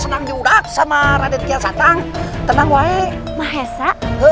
senang juga sama raden kiasatang tenang wae mahesa